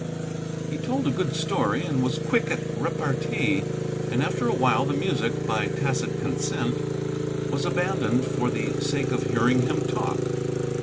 He told a good story and was quick at repartee, and after a while the music, by tacit consent, was abandoned for the sake of hearing him talk.